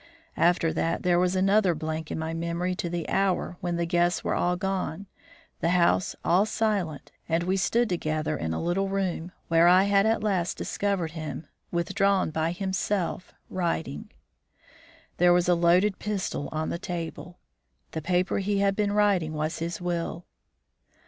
After that, there was another blank in my memory to the hour when the guests were all gone, the house all silent, and we stood together in a little room, where I had at last discovered him, withdrawn by himself, writing. There was a loaded pistol on the table. The paper he had been writing was his will.